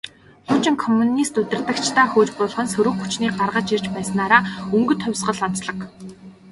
Хуучин коммунист удирдагчдаа хөөж буулган, сөрөг хүчнийг гаргаж ирж байснаараа «Өнгөт хувьсгал» онцлог.